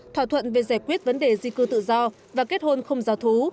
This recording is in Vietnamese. thỏa thuận về giải quyết vấn đề di cư tự do và kết hôn không giáo thú